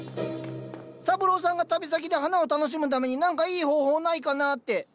三郎さんが旅先で花を楽しむために何かいい方法ないかなって。